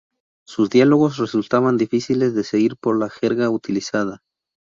Sus diálogos resultaban difíciles de seguir por la jerga utilizada.